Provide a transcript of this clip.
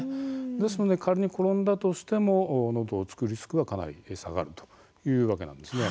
ですので仮に転んだとしてものどを突くリスクがかなり下がるというわけなんです。